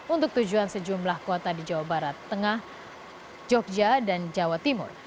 untuk tujuan sejumlah kota di jawa barat tengah jogja dan jawa timur